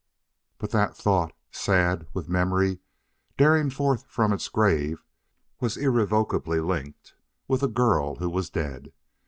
But that thought, sad with memory daring forth from its grave, was irrevocably linked with a girl who was dead.